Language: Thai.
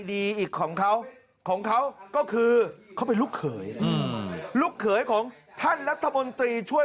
อีกของเขาของเขาก็คือเขาเป็นลูกเขยอืมลูกเขยของท่านรัฐมนตรีช่วย